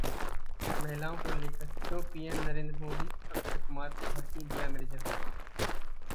महिलाओं को लेकर क्यों पीएम नरेंद्र मोदी-अक्षय कुमार पर भड़कीं दिया मिर्जा